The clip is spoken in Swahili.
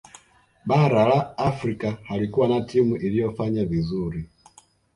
bara la afrika halikuwa na timu iliyofanya vizuri